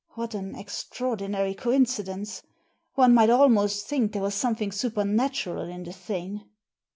What an extraordinary coincidence! One might almost think there was something supernatural in the thing."